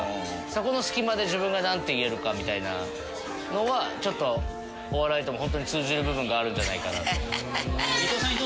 そこの隙間で自分がなんて言えるかみたいなのはちょっとお笑いとも本当に通じる部分があるんじゃないかなと。